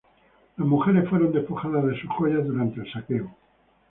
Las mujeres fueron despojadas de sus joyas durante el saqueo.